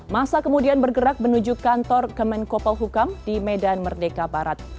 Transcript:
masa kemudian bergerak menuju kantor kemenkopol hukam di medan merdeka barat